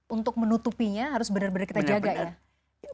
untuk menutupinya harus benar benar kita jaga ya